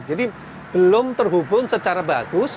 jadi belum terhubung secara bagus